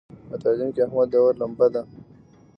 په تعلیم کې احمد د اور لمبه دی.